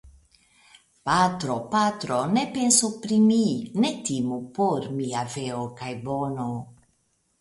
Patro, patro, ne pensu pri mi; ne timu por mia veo kaj bono.